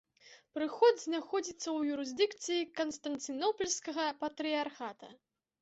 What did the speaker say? Прыход знаходзіцца ў юрысдыкцыі канстанцінопальскага патрыярхата.